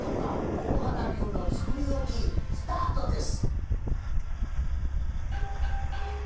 大原流のつくりおきスタートです！